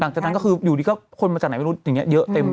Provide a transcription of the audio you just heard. หลังจากนั้นก็คืออยู่ดีก็คนมาจากไหนไม่รู้อย่างนี้เยอะเต็ม